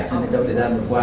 trong thời gian vừa qua